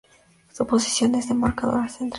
Su posición es de marcadora central.